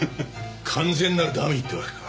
完全なるダミーってわけか。